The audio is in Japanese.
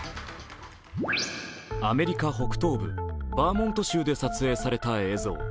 アメリカ北東部、バーモント州で撮影された映像。